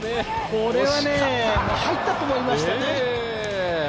これはね、入ったと思いました。